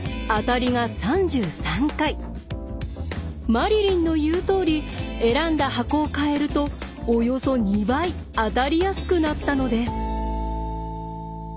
マリリンの言うとおり選んだ箱を変えるとおよそ２倍当たりやすくなったのです。